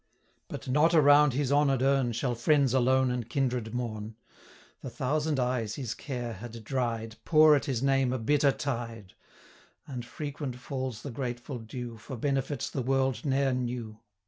But not around his honour'd urn, Shall friends alone and kindred mourn; The thousand eyes his care had dried, 140 Pour at his name a bitter tide; And frequent falls the grateful dew, For benefits the world ne'er knew.